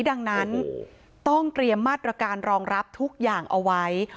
ดังนั้นต้องเตรียมมาตรการรองรับทุกอย่างเอาไว้